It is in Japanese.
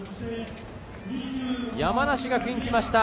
山梨学院、きました。